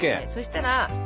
そしたら。